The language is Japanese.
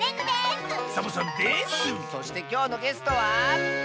そしてきょうのゲストは。